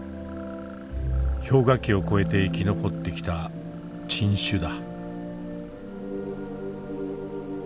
氷河期を越えて生き残ってきた珍種だ。